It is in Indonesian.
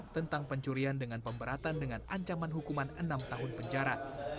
tentang pencurian dengan pemberatan dengan ancaman hukuman enam tahun penjara